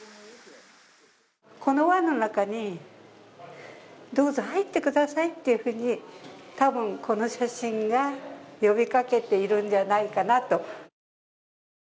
この輪の中に、どうぞ入ってくださいというふうに多分この写真が呼びかけているんじゃないかなと。